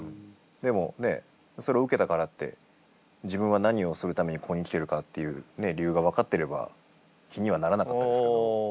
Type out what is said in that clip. でもねそれを受けたからって自分は何をするためにここに来てるかっていう理由が分かってれば気にはならなかったですけど。